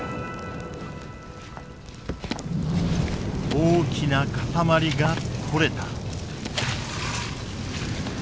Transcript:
大きな塊が取れた。